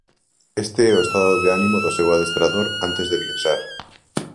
Este é o estado de ánimo do seu adestrador antes de viaxar.